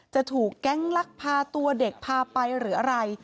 จะถูกแก๊งลักพาตัวเด็กพาไปหรืออะไร